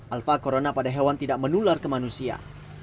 alfa corona pada hewan tidak menular ke manusia